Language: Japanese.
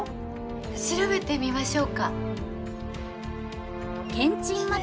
調べてみましょうか。